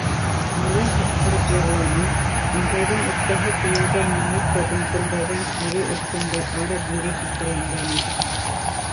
Малай ҡысҡырып йырланы, ыңғайҙан үксәһе тейеүҙән еңелсә дөңкөлдәгән тире өҫтөндә ары-бире һикерәндәне.